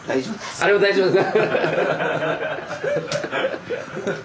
あれは大丈夫です。